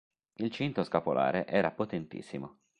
Il cinto scapolare era potentissimo.